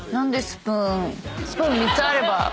スプーン３つあれば。